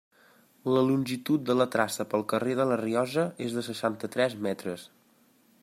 La longitud de la traça pel carrer de La Rioja és de seixanta-tres metres.